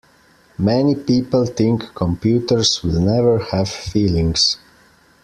Many people think computers will never have feelings.